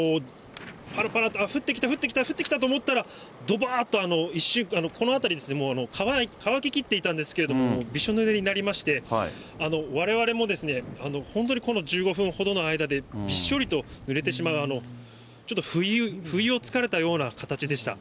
ぱらぱらっと、あっ、降ってきた、降ってきた、降ってきたと思ったら、どばーっと一瞬、この辺りもう、乾ききっていたんですけれども、びしょぬれになりまして、われわれも本当にこの１５分ほどの間で、びっしょりと濡れてしまう、ちょっと不意をつかれたような形でした。